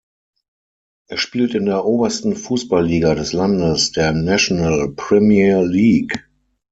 Er spielt in der obersten Fußball-Liga des Landes, der National Premier League.